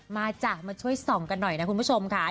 จ้ะมาช่วยส่องกันหน่อยนะคุณผู้ชมค่ะ